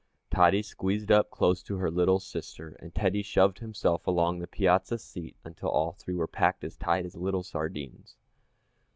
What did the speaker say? Tottie squeezed up close to her little sister, and Teddy shoved himself along the piazza seat until all three were packed as tight as little sardines.